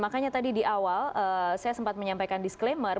makanya tadi di awal saya sempat menyampaikan disclaimer